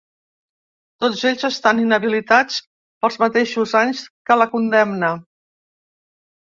Tots ells estan inhabilitats pels mateixos anys que la condemna.